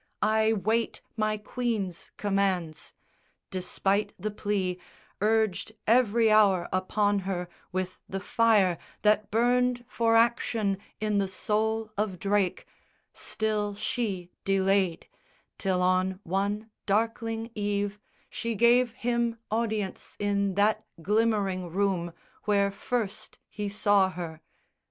I wait my Queen's commands! Despite the plea Urged every hour upon her with the fire That burned for action in the soul of Drake, Still she delayed, till on one darkling eve She gave him audience in that glimmering room Where first he saw her.